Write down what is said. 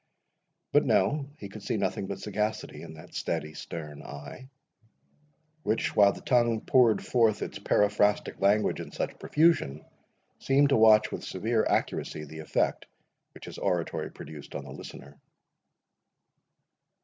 But no—he could see nothing but sagacity in that steady stern eye, which, while the tongue poured forth its periphrastic language in such profusion, seemed to watch with severe accuracy the effect which his oratory produced on the listener.